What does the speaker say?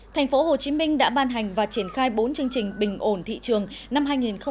tp hcm đã ban hành và triển khai bốn chương trình bình ổn thị trường năm hai nghìn hai mươi